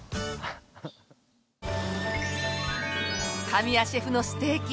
神谷シェフのステーキ